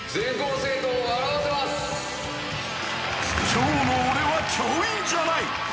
［今日の俺は教員じゃない］